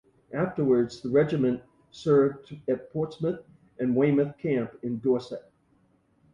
Afterwards the regiment served at Portsmouth and Weymouth Camp in Dorset.